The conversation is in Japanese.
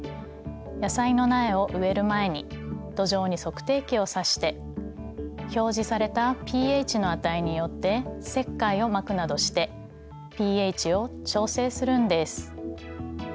野菜の苗を植える前に土壌に測定器をさして表示されたｐＨの値によって石灰をまくなどしてｐＨを調整するんです。